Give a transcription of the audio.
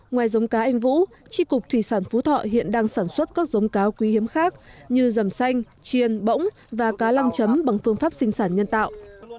ngoài giống cá anh vũ tri cục thủy sản phú thọ hiện đang sản xuất các giống cá quý hiếm khác như dầm xanh chiên bỗng và cá lăng chấm bằng phương pháp sinh sản nhân tạo